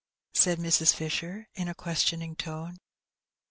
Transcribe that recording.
said Mrs. Fisher, in a questioning tone.